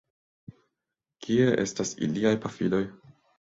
Kie estas iliaj pafiloj?